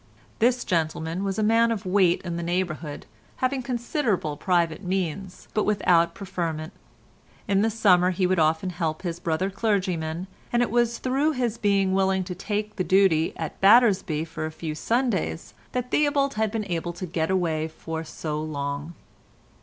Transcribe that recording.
This gentleman was a man of weight in the neighbourhood, having considerable private means, but without preferment. In the summer he would often help his brother clergymen, and it was through his being willing to take the duty at Battersby for a few Sundays that Theobald had been able to get away for so long.